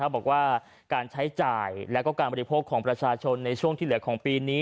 บอกว่าการใช้จ่ายและการบริโภคของประชาชนในช่วงที่เหลือของปีนี้